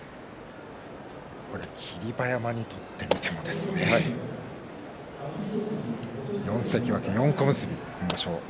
これ霧馬山にとってみても４関脇４小結の場所。